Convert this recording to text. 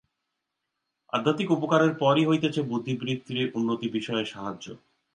আধ্যাত্মিক উপকারের পরই হইতেছে বুদ্ধিবৃত্তির উন্নতি-বিষয়ে সাহায্য।